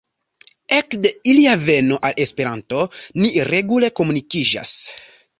Ekde ilia veno al Esperanto ni regule komunikiĝas.